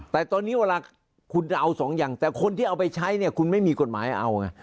แต่ตอนนี้เวลาคุณจะเอาสองอย่างแต่คนที่เอาไปใช้เนี่ยคุณไม่มีกฎหมายเอาไง